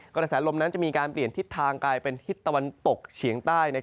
กระแสลมนั้นจะมีการเปลี่ยนทิศทางกลายเป็นทิศตะวันตกเฉียงใต้